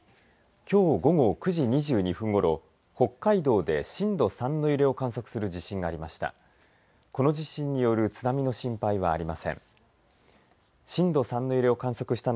きょう午後９時２２分ごろ北海道で震度３の揺れを観測する地震がありました。